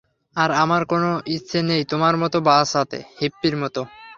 আর আমার কোনো ইচ্ছে নেই তোমার মতো বাঁচাতে, হিপ্পির মতো,!